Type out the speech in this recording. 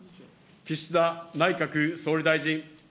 岸田内閣総理大臣。